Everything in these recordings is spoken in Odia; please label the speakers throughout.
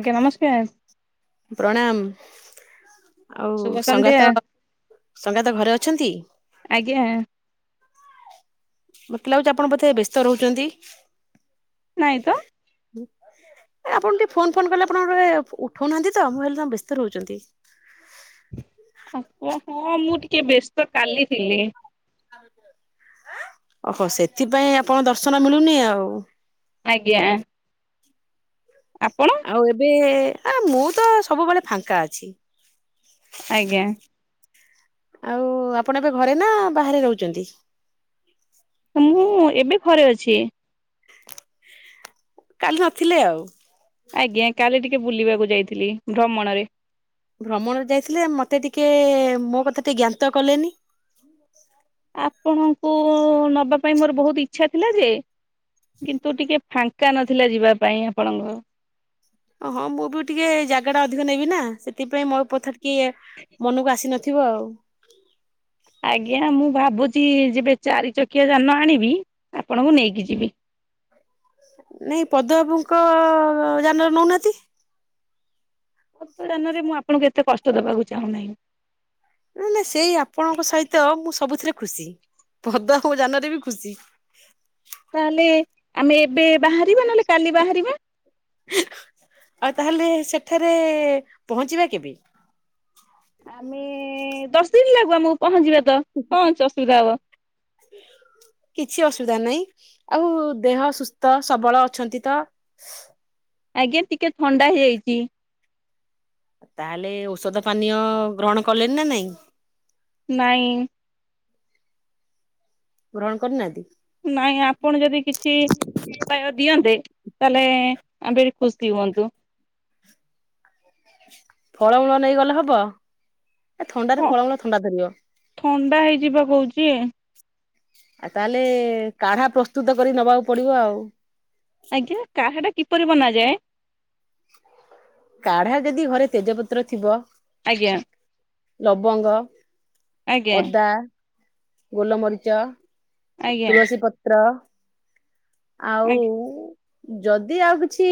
Speaker 1: ଆଜ୍ଞା, ନମସ୍କାର।
Speaker 2: ପ୍ରଣାମ। ଆଉ,
Speaker 1: ଶୁଭ ସନ୍ଧ୍ୟା
Speaker 2: ସଙ୍ଗାତ ସଙ୍ଗାତ ଘରେ ଅଛନ୍ତି?
Speaker 1: ଆଜ୍ଞା।
Speaker 2: ମତେ ଲାଗୁଛି, ଆପଣ ବୋଧେ ବ୍ୟସ୍ତ ରହୁଛନ୍ତି।
Speaker 1: ନାହିଁ ତ।
Speaker 2: ଆପଣ ଟିକେ ଫୋନ୍ ଫୋନ୍ କଲେ ଆପଣ ଗୋଟେ ଉଠଉନାହାନ୍ତି, ତ ମୁଁ ଭାବିଲି ତ ବ୍ୟସ୍ତ ରହୁଛନ୍ତି।
Speaker 1: [unintelligible]
Speaker 2: [inaudible] ଓହୋ, ସେଥିପାଇଁ ଆପଣ ଦର୍ଶନ ମିଳୁନି ଆଉ।
Speaker 1: ଆଜ୍ଞା। ଆପଣ।
Speaker 2: ଆଉ ଏବେ ଆ ମୁଁ ତ ସବୁବେଳେ ଫାଙ୍କା ଅଛି।
Speaker 1: ଆଜ୍ଞା।
Speaker 2: ଆଉ ଆପଣ ଏବେ ଘରେ ନା ବାହାରେ ରହୁଛନ୍ତି?
Speaker 1: ମୁଁ ଏବେ ଘରେ ଅଛି।
Speaker 2: କାଲି ନଥିଲେ ଆଉ।
Speaker 1: ଆଜ୍ଞା, କାଲି ଟିକେ ବୁଲିବାକୁ ଯାଇଥିଲି, ଭ୍ରମଣରେ।
Speaker 2: ଭ୍ରମଣରେ ଯାଇଥିଲେ, ମତେ ଟିକେ ମୋ କଥା ଟିକେ ଜ୍ଞାତ କଲେନି।
Speaker 1: ଆପଣଙ୍କୁ ନବା ପାଇଁ ମୋର ବହୁତ ଇଚ୍ଛା ଥିଲା ଯେ। କିନ୍ତୁ ଟିକେ ଫାଙ୍କା ନଥିଲା ଯିବା ପାଇଁ ଆପଣଙ୍କ।
Speaker 2: ଓ ହଁ, ମୁଁ ବି ଟିକେ ଜାଗା ଟା ଅଧିକ ନେବି ନା, ସେଥିପାଇଁ ମୋ ପଥାରେ ଟିକେ ମନକୁ ଆସିନି ଥିବ ଆଉ।
Speaker 1: ଆଜ୍ଞା, ମୁଁ ଭାବୁଛି, ଯେବେ ଚାରି ଚକିଆ ଯାନ ଆଣିବି, ଆପଣଙ୍କୁ ନେଇକି ଯିବି।
Speaker 2: ନାହିଁ, ପଦ ବାବୁଙ୍କ ଯାନରେ ନଉନାହାନ୍ତି।
Speaker 1: [inaudible] ମୁଁ ଆପଣଙ୍କୁ ଏତେ କଷ୍ଟ ଦେବାକୁ ଚାହୁଁ ନାହିଁ।
Speaker 2: ନା, ସେଇ ଆପଣଙ୍କ ସହିତ ମୁଁ ସବୁଥିରେ ଖୁସି। ପଦ ବାବୁ ଯାନରେ ବି ଖୁସି।
Speaker 1: ତାହେଲେ, ଆମେ ଏବେ ବାହାରିବା, ନହେଲେ କାଲି ବାହାରିବା।
Speaker 2: [inaudible] ଆଉ, ତାହେଲେ ସେଠାରେ ପହଞ୍ଚିବା କେବେ?
Speaker 1: ଆମେ ଦଶ ଦିନ ଲାଗୁ ଆମକୁ ପହଞ୍ଚିବା, ତ କଣ ଅସୁବିଧା ହବ?
Speaker 2: [inaudible] କିଛି ଅସୁବିଧା ନାହିଁ। ଆଉ, ଦେହ ସୁସ୍ଥ ସବଳ ଅଛନ୍ତି ତ?
Speaker 1: ଆଜ୍ଞା, ଟିକେ ଥଣ୍ଡା ହେଇଯାଇଛି।
Speaker 2: ତାହେଲେ ଔଷଧ ପାନୀୟ ଗ୍ରହଣ କଲେନି ନା, ନାହିଁ?
Speaker 1: ନାହିଁ।
Speaker 2: ପୂରଣ କରିନାହାନ୍ତି?
Speaker 1: ନାହିଁ, ଆପଣ ଯଦି କିଛି ଉପାୟ ଦିଅନ୍ତେ, ତାହେଲେ ଆମେ ଏଠି ଖୁସି ହୁଅନ୍ତୁ।
Speaker 2: ଫଳମୂଳ ନେଇଗଲେ ହବ? ଏ ଥଣ୍ଡାରେ
Speaker 1: ହଁ
Speaker 2: ଫଳମୂଳ ଥଣ୍ଡା ଧରିବ।
Speaker 1: ଥଣ୍ଡା ହେଇଯିବା କହୁଛି
Speaker 2: ଆଉ ତାହେଲେ କାଢା ପ୍ରସ୍ତୁତ କରି ନବାକୁ ପଡିବ ଆଉ।
Speaker 1: ଆଜ୍ଞା, କାହା ଟା କିପରି ବନାଯାଏ?
Speaker 2: କାଢା ଯଦି ଘରେ ତେଜପତ୍ର ଥିବ।
Speaker 1: ଆଜ୍ଞା।
Speaker 2: ଲବଙ୍ଗ,
Speaker 1: ଆଜ୍ଞା
Speaker 2: ଅଦା, ଗୋଲମରିଚ,
Speaker 1: ଆଜ୍ଞା
Speaker 2: ତୁଳସୀ ପତ୍ର, ଆଉ
Speaker 1: ଆ
Speaker 2: ଯଦି ଆଉ କିଛି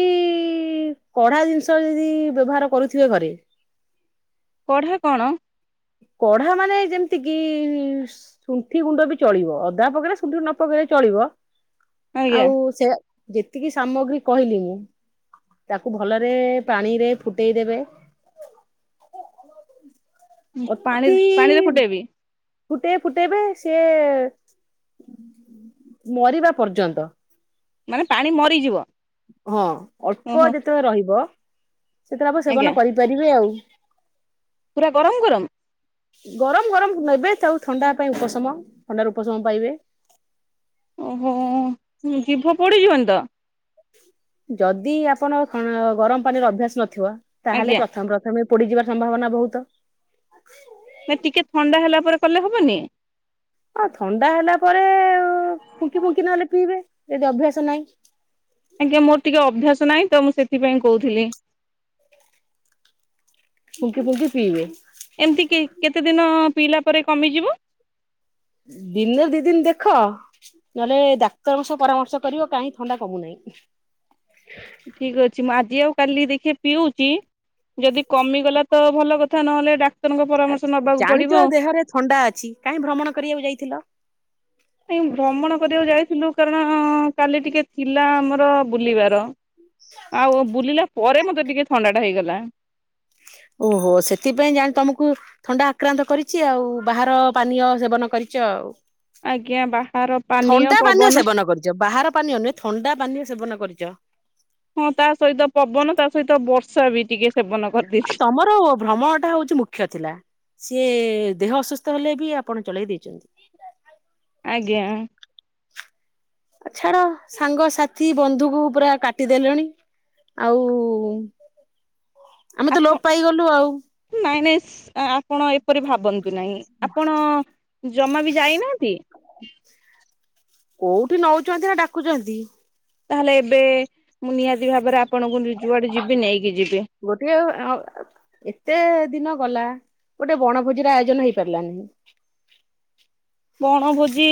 Speaker 2: କଢ଼ା ଜିନିଷ ଯଦି ବ୍ୟବହାର କରୁଥିବେ ଘରେ
Speaker 1: କଢା କଣ?
Speaker 2: କଢା ମାନେ ଯେମିତି କିି ଶୁଣ୍ଠି ଗୁଣ୍ଡ ବି ଚଳିବ ଅଦା ପକେଇଲେ ଶୁଣ୍ଠି ନ ପକେଇଲେ ଚଳିବ
Speaker 1: ଆଜ୍ଞା
Speaker 2: ଆଉ ସେ ଯେତିକି ସାମଗ୍ରୀ କହିଲି ମୁଁ ତାକୁ ଭଲରେ ପାଣିରେ ଫୁଟେଇ ଦେବେ।
Speaker 1: ପାଣି
Speaker 2: ଅତି
Speaker 1: ପାଣିରେ ଫୁଟେଇବି।
Speaker 2: ଫୁଟେଇ ଫୁଟେଇବେ ସିଏ ମରିବା ପର୍ଯ୍ୟନ୍ତ।
Speaker 1: ମାନେ ପାଣି ମରିଯିବ।
Speaker 2: ହଁ ଅଳ୍ପ
Speaker 1: ଓହୋ
Speaker 2: ଯେତେବେଳେ ରହିବ ସେତେବେଳେ ଆପ
Speaker 1: ଆଜ୍ଞା
Speaker 2: ସେବନ କରିପାରିବେ ଆଉ।
Speaker 1: ପୁରା ଗରମ ଗରମ।
Speaker 2: ଗରମ ଗରମ ନେବେ ତାଉ ଥଣ୍ଡା ପାଇଁ ଉପଶମ ଥଣ୍ଡାରୁ ଉପଶମ ପାଇବେ।
Speaker 1: ଉଁ ହୁଁ ଜିଭ ପଡ଼ିଯିବନି ତ।
Speaker 2: ଯଦି ଆପଣ ଗରମ ପାଣିର ଅଭ୍ୟାସ ନଥିବ ତାହେଲେ
Speaker 1: ଆଜ୍ଞା
Speaker 2: ପ୍ରଥମ ତମେ ପୋଡିଯିବାର ସମ୍ଭାବନା ବହୁତ।
Speaker 1: ନା ଟିକେ ଥଣ୍ଡା ହେଲା ପରେ କଲେ ହବନି?
Speaker 2: ହଁ ଥଣ୍ଡା ହେଲା ପରେ ଫୁଙ୍କି ଫୁଙ୍କି ନହେଲେ ପିଇବେ ଯଦି ଅଭ୍ୟାସ ନାହିଁ।
Speaker 1: ଆଜ୍ଞା ମୋର ଟିକେ ଅଭ୍ୟାସ ନାହିଁ ତ, ମୁଁ ସେଥିପାଇଁ କହୁଥିଲି।
Speaker 2: ଫୁଙ୍କି ଫୁଙ୍କି ପିିଇବେ।
Speaker 1: ଏମିତି କେତେ ଦିନ ପିଇଲା ପରେ କମିଯିବ?
Speaker 2: ଦିନେ ଦି ଦିନ ଦେଖ। ନହେଲେ ଡାକ୍ତରଙ୍କ ସହ ପରାମର୍ଶ କରିବ କାହିଁ ଥଣ୍ଡା କମୁନାହିଁ।
Speaker 1: ଠିକ ଅଛି, ମୁଁ ଆଜି ଆଉ କାଲି ଦେଖି ପିଉଛି। ଯଦି କମିଗଲା ତ ଭଲ କଥା, ନହେଲେ ଡାକ୍ତରଙ୍କ ପରାମର୍ଶ ନବାକୁ
Speaker 2: ଜାଣିଛ
Speaker 1: ପଡିବ ଆଉ।
Speaker 2: ଦେହରେ ଥଣ୍ଡା ଅଛି କାହିଁ ଭ୍ରମଣ କରିବାକୁ ଯାଇଥିଲ।
Speaker 1: ନାଇ ଭ୍ରମଣ କରିବାକୁ ଯାଇଥିଲୁ କାରଣ କାଲି ଟିକେ ଥିଲା ଆମର ବୁଲିବାର। ଆଉ ବୁଲିଲା ପରେ ମତେ ଟିକେ ଥଣ୍ଡା ଟା ହେଇଗଲା।
Speaker 2: ଓହୋ ସେଥିପାଇଁ ଜାଣ ତମକୁ ଥଣ୍ଡା ଆକ୍ରାନ୍ତ କରିଛି ଆଉ ବାହାର ପାନୀୟ ସେବନ କରିଛ ଆଉ।
Speaker 1: ଆଜ୍ଞା ବାହାର ପାନୀୟ
Speaker 2: ଥଣ୍ଡା ପାନୀୟ
Speaker 1: ପବନ
Speaker 2: ସେବନ କରିଚ, ବାହାର ପାନୀୟ ନୁହେଁ ଥଣ୍ଡା ପାନୀୟ ସେବନ କରିଚ।
Speaker 1: ହଁ ତା ସହିତ ପବନ ତା ସହିତ ବର୍ଷା ବି ଟିକେ ସେବନ କ
Speaker 2: ଆ ତମର ଭ୍ରମଣଟା ହଉଛି ମୁ ମୁଖ୍ୟ ଥିଲା ସିଏ ଦେହ ଅସୁସ୍ଥ ହେଲେ ବି ଆପଣ ଚଳେଇ ଦେଇଛନ୍ତି।
Speaker 1: ଆଜ୍ଞା।
Speaker 2: ଆ ଛାଡ ସାଙ୍ଗସାଥି ବନ୍ଧୁକୁ ପୁରା କାଟିଦେଲେଣି। ଆଉ
Speaker 1: [inaudible]
Speaker 2: ଆମେ ତ ଲୋପ ପାଇଗଲୁ ଆଉ।
Speaker 1: ନାଇଁ ନାଇଁ ଆପଣ ଏପରି ଭାବନ୍ତୁ ନାହିଁ, ଆପଣ ଜମା ବି ଯାଇନାହାନ୍ତି।
Speaker 2: କୋଉଠି ନଉଛନ୍ତି ନା ଡାକୁଛନ୍ତି।
Speaker 1: ତାହେଲେ ଏବେ ମୁଁ ନିହାତି ଭାବରେ ଆପଣଙ୍କୁଜୁଆଡେ ଯିବି ନେଇକି ଯିବି।
Speaker 2: ଗୋଟିଏ ଏତେ ଦିନ ଗଲା ଗୋଟେ ବଣଭୋଜିର ଆୟୋଜନ ହେଇପାରିଲାନି।
Speaker 1: ବଣଭୋଜି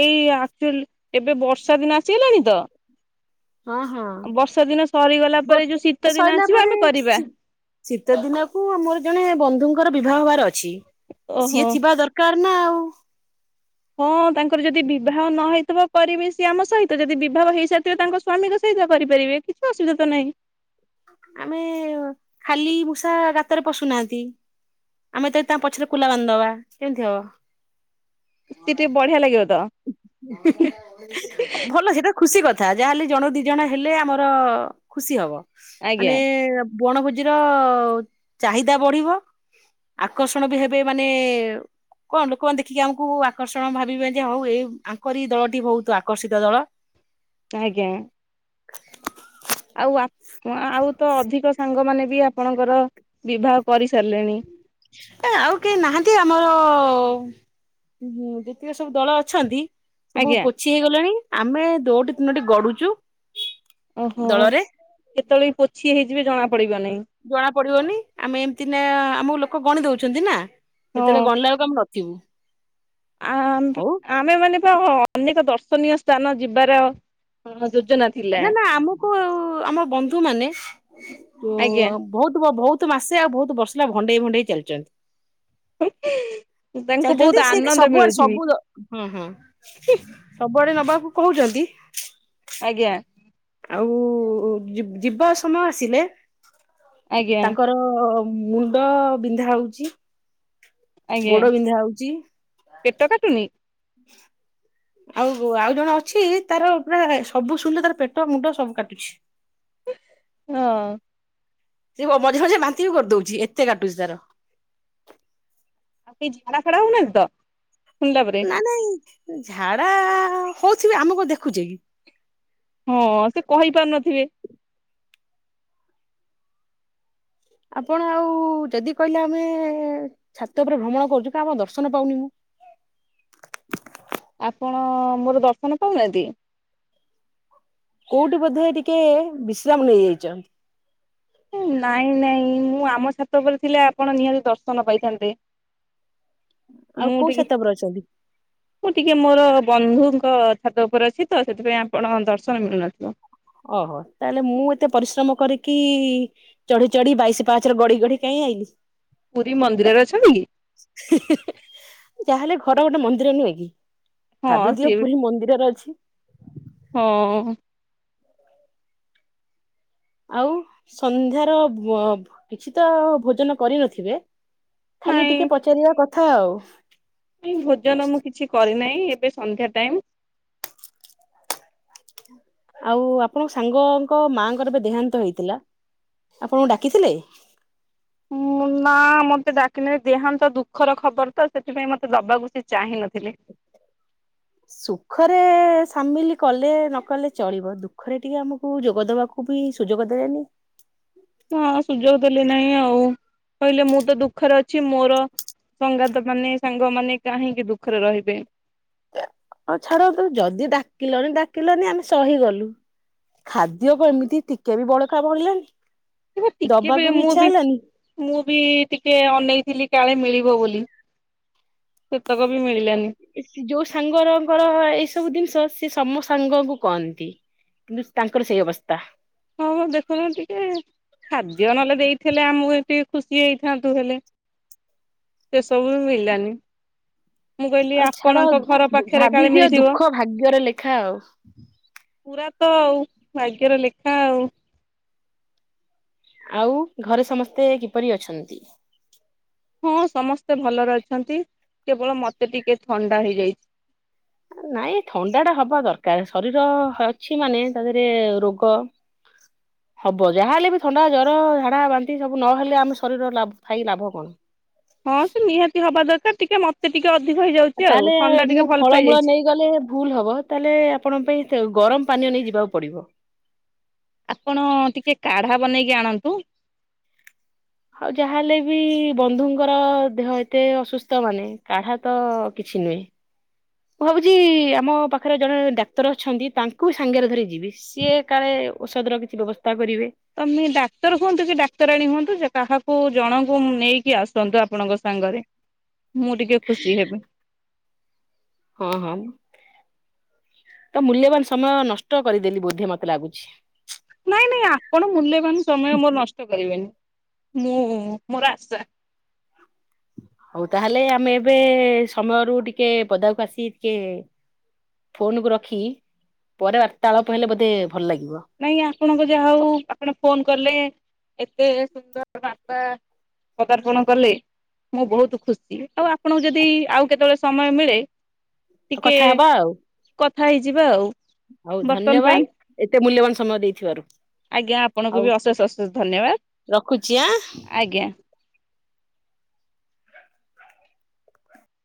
Speaker 1: ଏଇ ଆକ୍ଚୁଆଲି ଏବେ ବର୍ଷା ଦିନ ଆସିଗଲାଣି ତ।
Speaker 2: ହଁ ହଁ
Speaker 1: ବର୍ଷା ଦିନ ସରିଗଲା ପରେ ଯୋଉ ଶୀତ ଦିନ
Speaker 2: ସଇଲା
Speaker 1: ଆସିବ
Speaker 2: ପରେ
Speaker 1: ଆମେ କରିବା
Speaker 2: ଶୀତ ଦିନକୁ ଆମର ଜଣେ ବନ୍ଧୁଙ୍କର ବିବାହ ହବାର ଅଛି
Speaker 1: ଓହୋ
Speaker 2: ସିଏ ଥିବା ଦର [inaudible]
Speaker 1: ହଁ, ତାଙ୍କର ଯଦି ବିବାହ ନ ହେଇଥିବ, କରିବେ ସିଏ ଆମ ସହିତ। ଯଦି ବିବାଭ ହେଇ ସାର୍ ଥିବ ତାଙ୍କ ସ୍ୱାମୀ ଙ୍କ ସ--ତ କରି ପାରିବେ, କିଛି ଅସୁବିଧା ତ ନାଇଁ।
Speaker 2: ଆମେ, ଖାଲି ମୂଷା ଗାତରେ ପଶୁ ନାହାନ୍ତି। ଆମେ ଯେ ତା ପଛ୍ ରେ କୁଲା ବାନ୍ ଦବା, କେମ୍ ହବ?
Speaker 1: ବଢ଼ିଆ ଲାଗିବ ତ।
Speaker 2: [unintelligible] ଭଲ ସେଇଟା ଖୁସି କଥା, ଯା ହେଲେ ଜଣେ ଦି ଜଣ ହେଲେ ଆମର ଖୁସି ହବ,
Speaker 1: ଆଜ୍ଞା
Speaker 2: ମାନେ ବଣ ଭୋଜିର ଚାହିଦା ବଢ଼ିବ। ଆକର୍ଷଣ ବି ହେବେ, ମାନେ କଣ୍? ଲୋକମାନେ ଦେଖିକି ଆମକୁ ଆକର୍ଷଣ ଭାବିବେ। ହଉ ଏ----ଆଙ୍କରି ଦଳଟି ଭଉତ୍ ଆକର୍ଷିତ ଦଳ।
Speaker 1: [inaudible] ଆଉ ଆଉ ତ ଅଧିକ ସାଙ୍ଗ ମାନେ ବି ଆପଣଙ୍କର ବିବାହ କରି ସାର୍ଲେଣି।
Speaker 2: ଏ, ଆଉ କେହି ନାହାନ୍ତି ଆମ ଯେତିକ ସବୁ ଦଳ ଅଛନ୍ତି। ସବୁ
Speaker 1: ଆଜ୍ଞା
Speaker 2: ପୋଛି ହେଇ ଗଲେଣି, ଆମେ ଦୋଟି, ତିନୋଟି ଗଡୁଚୁ।
Speaker 1: ଅହୋ, କେତ--ଳେ ବି ପୋଛି ହେଇଯିବେ, ଜଣା ପଡ଼ିବ ଇଁ।
Speaker 2: ଜଣା ପଡ଼ିବନି, ଆମେ ଏମ୍ତି ନା ଆମକୁ ଲୋକ ଗଣି ଦଉଚନ୍ତି ନା। ସେତେ--ଳେ
Speaker 1: ହଁ
Speaker 2: ଗଣ୍ଲା କୁ ଆମେ ନ କେିବ
Speaker 1: ଆମେ ମାନେ ପା ହଁ, ଅନେକ ଦର୍ଶନୀୟ ସ୍ଥାନ ଯିବାର ଯୋଜନା ଥିଲା
Speaker 2: ନା ନା, ଆମୁକୁ ଆମ ବନ୍ଧୁ ମାନେ
Speaker 1: ଆଜ୍ଞା
Speaker 2: ଭଉତ୍---ଭଉତ୍ ମାସେ, ଆଉ ଭଉତ୍ ଭଣ୍ଡେଇ ଭଣ୍ଡେଇ ଚାଲ୍ଚ [inaudible]
Speaker 1: ତାଙ୍କୁ
Speaker 2: ସବୁ
Speaker 1: ବହୁତ ଆନନ୍ଦ ମିଳୁଛି ବି
Speaker 2: ଆଡ଼େ ନବାକୁ କହୁଚନ୍ତି।
Speaker 1: ଆଜ୍ଞା।
Speaker 2: ଆଉ ଯିବା ସମୟ ଆସିଲେ
Speaker 1: ଆଜ୍ଞା
Speaker 2: ତାଙ୍କ ମୁଣ୍ଡ ବିନ୍ଧା ହଉଚି।
Speaker 1: ଆଜ୍ଞା
Speaker 2: ଗୋଡ଼ ବିନ୍ଧା ହଉଚି।
Speaker 1: ପେଟ କାଟୁନି
Speaker 2: ଆଉ ଆଉ ଜଣେ ଅଛି, ତା'ର ସବୁ ଶୁଣ୍ଲେ ତା'ର ପେଟ ମୁଣ୍ଡ ସବୁ କାଟୁଛି।
Speaker 1: [unintelligible]
Speaker 2: ସେ ମଝିରେ ମଝିରେ ବାନ୍ତି ବି କର୍ ଦଉଚି, ଏତେ କାଟୁଚି ତା'ର।
Speaker 1: [inaudible]
Speaker 2: ନା ନାଇଁ ଝାଡ଼ା ହଉଥିବେ, ଆମେ ଦେଖୁଚେ କି।
Speaker 1: ହଁ, ସେ କହି ପା ନଥିବେ।
Speaker 2: ଆପଣ ଆଉ ଯଦି କହିଲେ, ଆମେ ଛାତ ଉପରେ ଭ୍ରମଣ କ---ଚୁ, ଆମ ଦର୍ଶନ ପାଉନି ମୁଁ।
Speaker 1: ଆପଣ ମୋର ଦର୍ଶନ ପାଉ ନା---ନ୍ତି।
Speaker 2: କଉଠି ବଧେ ଟିକେ ବିଶ୍ରାମ୍ ନେଇ ଯାଇଚ।
Speaker 1: ନାଇଁ ନାଇଁ, ମୁଁ ଆମ ଛାତ ଉପରେ ଥିଲେ, ଆପଣ ନିହାତି ଦର୍ଶନ ପାଇଥାନ୍ତେ। [inaudible]
Speaker 2: ଆଉ
Speaker 1: ମୁଁ
Speaker 2: କୋଉ ଛାତ ଉପରେ ଅଛନ୍ତି?
Speaker 1: ଟିକେ ମୋର ବନ୍ଧୁଙ୍କ ଛାତ ଉପରେ ଅଛି ତ, ସେଥି ପାଇଁ ଆପଣ ଦର୍ଶନ ମିଳୁ ନଥିବ।
Speaker 2: ଅହ, ତା'---ଲେ ମୁଁ ଏତେ ପରିଶ୍ରମ କରିକି ଚଢ଼ି ଚଢ଼ି ବାଇଶି ପାହାଚରେ, ଗଡ଼ି ଗଡ଼ି କାହିଁ ଆଇଲି।
Speaker 1: ପୁରୀ ମନ୍ଦିରରେ ଅଛନ୍ତି କି?
Speaker 2: ଯା----ହେଲେ ଘର ଗୋଟେ ମନ୍ଦିର ନୁଏଁ କି?
Speaker 1: ହଁ
Speaker 2: ଭାବି ଦିଅ
Speaker 1: ସିଏ ବି
Speaker 2: ପୁରୀ ମନ୍ଦିରରେ ଅଛି।
Speaker 1: ହଁ।
Speaker 2: ଆଉ ସନ୍ଧ୍ୟାର କିଛି ତ ଭୋଜନ କରିନଥିବେ? ଖାଲି ଟିକେ
Speaker 1: ନାଇଁ
Speaker 2: ପଚାରିବା କଥା ଆଉ।
Speaker 1: ଭୋଜନ ମୁଁ କିଛି କରିନାହିଁ ଏବେ ସନ୍ଧ୍ୟା ଟାଇମ।
Speaker 2: ଆଉ ଆପଣଙ୍କ ସାଙ୍ଗଙ୍କ ମାଙ୍କର ଏବେ ଦେହାନ୍ତ ହେଇଥିଲା ଆପଣଙ୍କୁ ଡାକିଥିଲେ?
Speaker 1: ନା ମତେ ଡାକିନେ ଦେହାନ୍ତ ଦୁଃଖର ଖବର ତ ସେଥିପାଇଁ ମତେ ଦବାକୁ ସେ ଚାହିଁ ନଥିଲି।
Speaker 2: ସୁଖରେ ସାମିଲ କଲେ ନକଲେ ଚଳିବ ଦୁଃଖରେ ଟିକେ ଆମକୁ ଯୋଗଦବାକୁ କି ସୁଯୋଗ ଦେବେନି।
Speaker 1: ହ ସୁଯୋଗ ଦେଲି ନାହିଁ ଆଉ କହିଲେ ମୁଁ ତ ଦୁଃଖରେ ଅଛି ମୋର ସଂଙ୍ଗାତ ମାନେ ସାଙ୍ଗ ମାନେ କାହିଁକି ଦୁଃଖରେ ରହିବେ।
Speaker 2: ହଉ ଛାଡ ଯଦି ଡାକିଲଣି ଡାକିଲନି ଆମେ ସହିଗଲୁ। ଖାଦ୍ୟ କୁ ଏମିତି ଟିକେ ବି ବଳକାା ବଳିଲାନି ଦବାକୁ ବି ଇଚ୍ଛା ହେଲାନି।
Speaker 1: ମୁଁ ବି ଟିକେ ଅନେଇଥିଲି କାଳେ ମିଳିବ ବୋଲି। ସେତକ ବି ମିଳିଲାନି।
Speaker 2: ଯୋଉ ସାଙ୍ଗଙ୍କର ଏଇ ସବୁ ଜିନିଷ ସେ ସମ ସାଙ୍ଗଙ୍କୁ କହନ୍ତି। କିନ୍ତୁ ତାଙ୍କର ସେଇ ଅବସ୍ଥା।
Speaker 1: ହଁ ହଁ ଦେଖୁନ ଟିକେ। ଖାଦ୍ୟ ନହେଲେ ଦେଇଥିଲେ ଆମକୁ ଟିକେ ଖୁସି ହେଇଥାନ୍ତୁ ହେଲେ। ସେ ସବୁ ବି ମିଳିଲାନି। ମୁଁ କହିଲି
Speaker 2: ଆଉ ଛାଡ
Speaker 1: ଆପଣଙ୍କ ଘର ପାଖରେ
Speaker 2: ଭାବି
Speaker 1: କାଳେ
Speaker 2: ଦିଅ
Speaker 1: ମିଳିଥିବ।
Speaker 2: ଦୁଃଖ ଭାଗ୍ୟରେ ଲେଖା ଆଉ
Speaker 1: ପୁରା ତ ଆଉ ଭାଗ୍ୟର ଲେଖା ଆଉ
Speaker 2: ଆଉ ଘରେ ସମସ୍ତେ କିପରି ଅଛନ୍ତି?
Speaker 1: ହଁ ସମସ୍ତେ ଭଲରେ ଅଛନ୍ତି କେବଳ ମତେ ଟିକେ ଥଣ୍ଡା ହେଇଯାଇଛି।
Speaker 2: ନାଇଁ ଥଣ୍ଡା ଟା ହବା ଦରକାର ଶରୀର ଅଛି ମାନେ ତା ଦେହରେ ରୋଗ ହବ ଯାହାହଲେ ବି ଥଣ୍ଡା ଜର ଝାଡା ବାନ୍ତି ସବୁ ନହେଲେ ଆମେ ଶରୀର ଲ ଥାଇ ଲାଭ କଣ?
Speaker 1: ହଁ ସେ ନିହାତି ହବା ଦରକାର ଟିକେ ମତେ ଟିକେ ଅଧିକ ହେଇଯାଉଛି ଆଉ ଥଣ୍ଡା ଟିକେ ଭଲସେ ହେଇଯାଇଛି।
Speaker 2: ଗଲେ ଭୁଲ ହବ ତାହେଲେ ଆପଣ ପାଇଁ ଗରମ ପାନୀୟ ନେଇ ଯିବାକୁ ପଡିବ
Speaker 1: ଆପଣ ଟିକେ କାଢା ବନେଇକି ଆଣନ୍ତୁ।
Speaker 2: ଆଉ ଯାହାହେଲେ ବି ବନ୍ଧୁଙ୍କର ଦେହ ଏତେ ଅସୁସ୍ଥ ମାନେ କାଢା ତ କିଛି ନୁହେଁ। ମୁଁ ଭାବୁଛି ଆମ ପାଖରେ ଜଣେ ଡାକ୍ତର ଅଛନ୍ତି ତାଙ୍କୁ ସାଙ୍ଗରେ ଧରି ଯିବେ। ସିଏ କାଳେ ଔଷଧ ର କିଛି ବ୍ୟବସ୍ଥା କରିବେ।
Speaker 1: ତମେ ଡାକ୍ତର ହୁଅନ୍ତୁ କି ଡାକ୍ତରାଣୀ ହୁଅନ୍ତୁ ଯେ କାହାକୁ ଜଣଙ୍କୁ ନେଇକି ଆସନ୍ତୁ ଆପଣଙ୍କ ସାଙ୍ଗରେ। ମୁଁ ଟିକେ ଖୁସି ହେବି।
Speaker 2: ହଁ ହଁ। ତ ମୂଲ୍ୟବାନ ସମୟ ନଷ୍ଟ କରିଦେଲି ବୋଧେ ମତେ ଲାଗୁଛି।
Speaker 1: ନାଇଁ ନାଇଁ ଆପଣ ମୂଲ୍ୟବାନ ସମୟ ମୋର ନଷ୍ଟ କରିବେନି ମୁଁ ମୋର ଆଶା
Speaker 2: ହଉ ତାହେଲେ ଆମେ ଏବେ ସମୟରୁ ଟିକେ ପଦାକୁ ଆସି ଟିକେ ଫୋନ କୁ ରଖିକି ପରେ ବର୍ତ୍ତାଳପ ହେଲେ ବୋଧେ ଭଲ ଲାଗିବ।
Speaker 1: ନାଇଁ ଆପଣଙ୍କ ଯାହା ହଉ ଆପଣ ଫୋନ କଲେ ଏତେ ସୁନ୍ଦର ବାପା ପଦାର୍ପଣ କଲେ। ମୁଁ ବହୁତ ଖୁସି ଆଉ ଆପଣଙ୍କୁ ଯଦି ଆଉ କେତେବେଳେ ସମୟ ମିଳେ ଟିକେ
Speaker 2: କଥା ହବା ଆଉ
Speaker 1: କଥା ହେଇଯିବା ଆଉ।
Speaker 2: ହଉ
Speaker 1: ବର୍ତ୍ତମାନ ପାଇଁ
Speaker 2: ଧନ୍ୟବାଦ ଏତେ ମୂଲ୍ୟବାନ ସମୟ ଦେଇଥିବାରୁ।
Speaker 1: ଆଜ୍ଞା ଆପଣଙ୍କୁ
Speaker 2: ଆଉ
Speaker 1: ବି ଅଶେଷ ଅଶେଷ ଧନ୍ୟବାଦ
Speaker 2: ରଖୁଛି ଆଁ।
Speaker 1: ଆଜ୍ଞା।